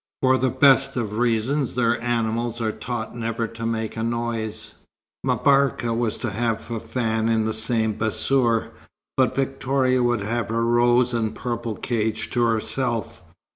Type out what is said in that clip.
For the best of reasons their animals are taught never to make a noise." M'Barka was to have Fafann in the same bassour, but Victoria would have her rose and purple cage to herself.